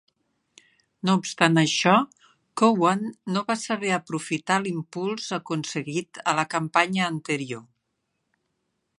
No obstant això, Cowan no va saber aprofitar l"impuls aconseguit a la campanya anterior.